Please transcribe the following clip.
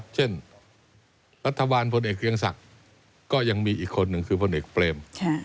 เช่นรัฐบาลพลเอกเกรียงศักดิ์ก็ยังมีอีกคนหนึ่งคือพลเอกเปรม